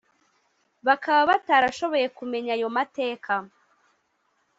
bakaba batarashoboye kumenya ayo mateka